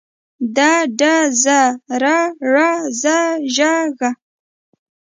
د ډ ذ ر ړ ز ژ ږ